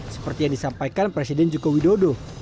seperti yang disampaikan presiden joko widodo